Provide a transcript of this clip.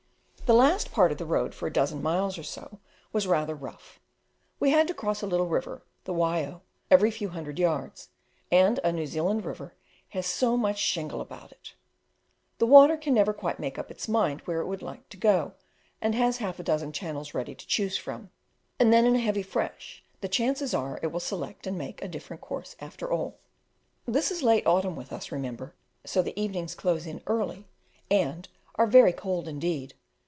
The last part of the road for a dozen miles or so was rather rough; we had to cross a little river, the Waio, every few hundred yards; and a New Zealand river has so much shingle about it! The water can never quite make up its mind where it would like to go, and has half a dozen channels ready to choose from, and then in a heavy fresh the chances are it will select and make quite a different course after all. This is late autumn with us, remember, so the evenings close in early and, are very cold indeed.